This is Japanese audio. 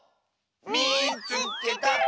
「みいつけた！」。